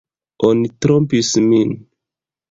Oni trompis min!